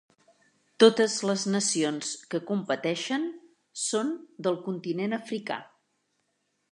Totes les nacions que competeixen són del continent africà.